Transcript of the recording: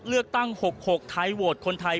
เลือกตั้ง๖๖ไทยโหวตคนไทย